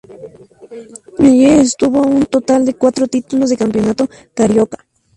Allí obtuvo un total de cuatro títulos de Campeonato Carioca.